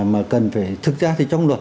mà cần phải thực ra thì trong luật